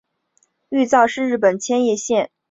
玉造是日本千叶县成田市下辖的一个町。